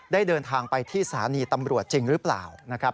เดินทางไปที่สถานีตำรวจจริงหรือเปล่านะครับ